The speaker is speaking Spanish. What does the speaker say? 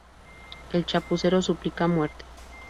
El Chapucero suplica muerte.